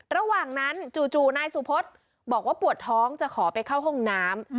ระหว่างนั้นจู่นายสุพธบอกว่าปวดท้องจะขอไปเข้าห้องน้ำ